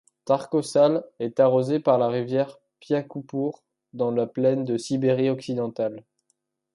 Tarko-Sale est arrosée par la rivière Piakoupour, dans la plaine de Sibérie occidentale.